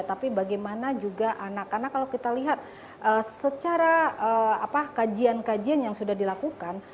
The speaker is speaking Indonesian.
tapi bagaimana juga anak karena kalau kita lihat secara kajian kajian yang sudah dilakukan